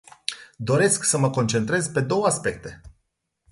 Doresc să mă concentrez pe două aspecte.